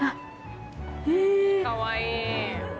かわいい。